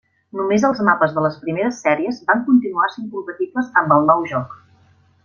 Només els mapes de les primeres sèries van continuar sent compatibles amb el nou joc.